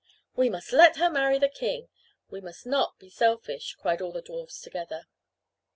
"We must let her marry the king! We must not be selfish!" cried all the dwarfs together.